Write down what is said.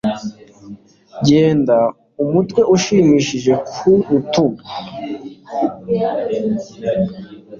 genda umutwe ushimishije ku rutugu